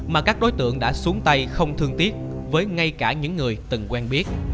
mà các đối tượng đã xuống tay không thương tiếc với ngay cả những người từng quen biết